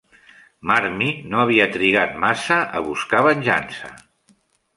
Marmie no havia trigat massa a buscar venjança.